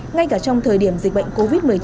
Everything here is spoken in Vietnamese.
ngay cả trong thời điểm dịch bệnh covid một mươi chín